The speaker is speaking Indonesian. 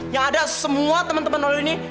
yang ada semua temen temen lo ini